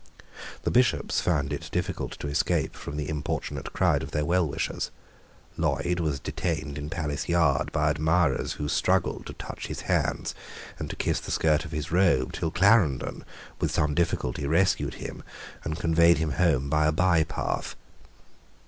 The Bishops found it difficult to escape from the importunate crowd of their wellwishers. Lloyd was detained in Palace Yard by admirers who struggled to touch his hands and to kiss the skirt of his robe, till Clarendon, with some difficulty, rescued him and conveyed him home by a bye path.